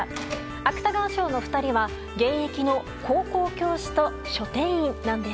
芥川賞の２人は現役の高校教師と書店員なんです。